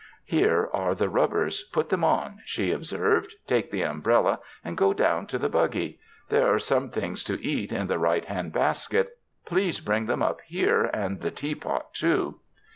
''Here are the rubbers, put them on," she ob served; "take the umbrella, and go down to the buggy. There are some things to eat in the right hand basket ; please bring them all up here, and the tea pot, too."